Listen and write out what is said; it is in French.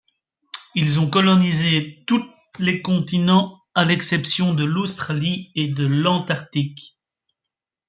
Ils ont colonisé tous les continents à l’exception de l'Australie et de l'Antarctique.